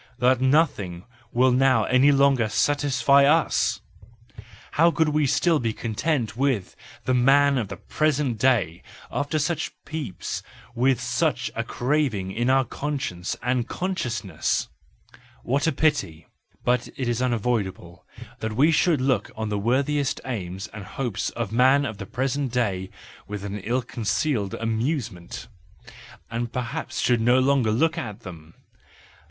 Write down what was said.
that nothing will now any longer satisfy us ! How could we still be content with the man of the present day after such peeps, and with such a craving in our conscience and consciousness ? What a pity; but it is unavoidable that we should look on the worthiest aims and hopes of the man of the present day with ill concealed amusement, and perhaps should no longer look at them.